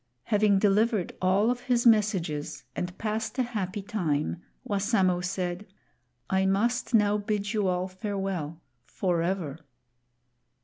Having delivered all of his messages and passed a happy time, Wassamo said, "I must now bid you all farewell forever."